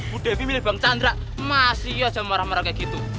bu devi milih bang chandra masih aja marah marah kayak gitu